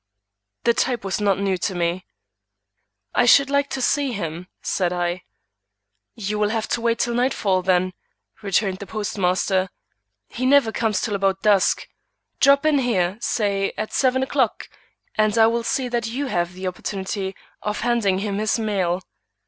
The type was not new to me. "I should like to see him," said I. "You will have to wait till nightfall, then," returned the postmaster. "He never comes till about dusk. Drop in here, say at seven o'clock, and I will see that you have the opportunity of handing him his mail."